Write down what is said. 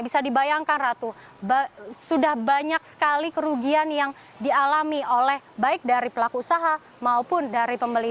bisa dibayangkan ratu sudah banyak sekali kerugian yang dialami oleh baik dari pelaku usaha maupun dari pembeli